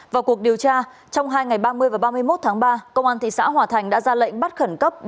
vào cuộc điều tra trong hai ngày ba mươi và ba mươi một tháng ba công an thị xã hòa thành đã ra lệnh bắt khẩn cấp